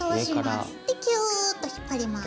でキューッと引っ張ります。